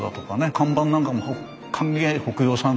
看板なんかも「歓迎北洋さん」とかね。